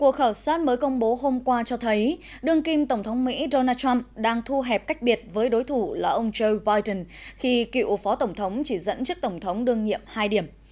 cuộc khảo sát mới công bố hôm qua cho thấy đương kim tổng thống mỹ donald trump đang thu hẹp cách biệt với đối thủ là ông joe biden khi cựu phó tổng thống chỉ dẫn trước tổng thống đương nhiệm hai điểm